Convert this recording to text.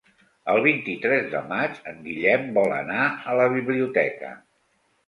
El vint-i-tres de maig en Guillem vol anar a la biblioteca.